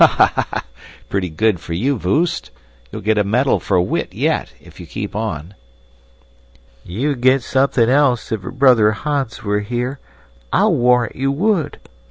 ha! Pretty good for you, Voost! You'll get a medal for wit yet, if you keep on." "You'd get something else, if her brother Hans were here. I'll warrant you would!"